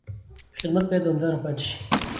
خدمت باید دوامداره پاتې شي.